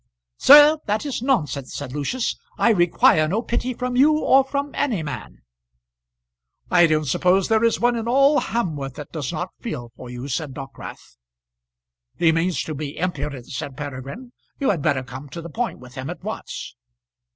"Sir, that is nonsense," said Lucius. "I require no pity from you or from any man." "I don't suppose there is one in all Hamworth that does not feel for you," said Dockwrath. "He means to be impudent," said Peregrine. "You had better come to the point with him at once."